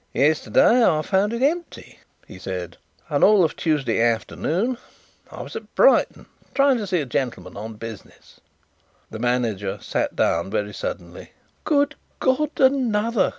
"Yesterday I found it empty," he said. "And all Tuesday afternoon I was at Brighton, trying to see a gentleman on business." The manager sat down very suddenly. "Good God, another!"